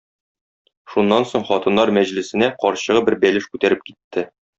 Шуннан соң хатыннар мәҗлесенә карчыгы бер бәлеш күтәреп китте.